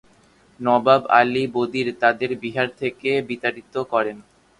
নবাব আলীবর্দীর তাদের বিহার থেকে বিতাড়িত করেন।